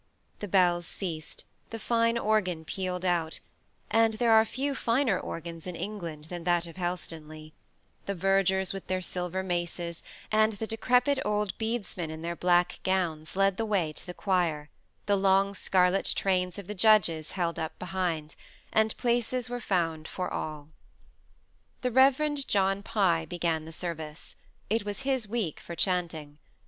The bells ceased; the fine organ pealed out and there are few finer organs in England than that of Helstonleigh the vergers with their silver maces, and the decrepit old bedesmen in their black gowns, led the way to the choir, the long scarlet trains of the judges held up behind: and places were found for all. The Rev. John Pye began the service; it was his week for chanting.